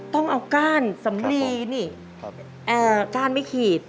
ต้องเอาก้านสำลีนี่ก้านไม่ขีด